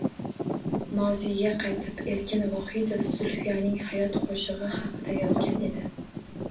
Moziyga qaytib: Erkin Vohidov Zulfiyaning hayot qoʻshigʻi haqida yozgan edi